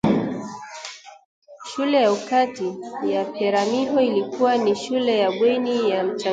Shule ya ukati ya Peramiho ilikua ni shule ya bweni ya mchanganyiko